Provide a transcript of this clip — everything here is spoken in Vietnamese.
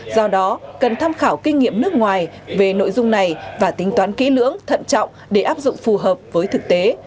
do đó cần tham khảo kinh nghiệm nước ngoài về nội dung này và tính toán kỹ lưỡng thận trọng để áp dụng phù hợp với thực tế